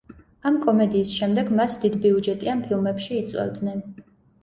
ამ კომედიის შემდეგ მას დიდბიუჯეტიან ფილმებში იწვევდნენ.